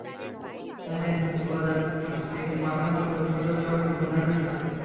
তাই তাকে মুক্তবাজার সংস্কৃতির কাছে মাথানত করতে হলো কেবল জীবন ধারণের জন্য।